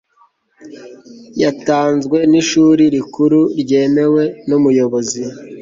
yatanzwe n ishuli rikuru ryemewe n ubuyobozi